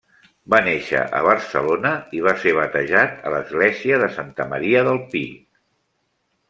Va néixer a Barcelona i va ser batejat a l'església de Santa Maria del Pi.